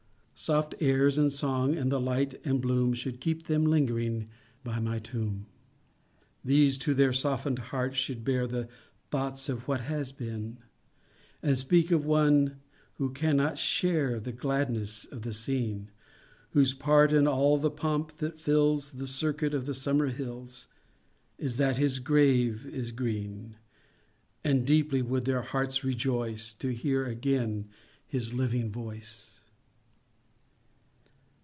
Soft airs and song, and the light and bloom, Should keep them lingering by my tomb. These to their soften'd hearts should bear The thoughts of what has been, And speak of one who cannot share The gladness of the scene; Whose part in all the pomp that fills The circuit of the summer hills, Is—that his grave is green; And deeply would their hearts rejoice To hear again his living voice.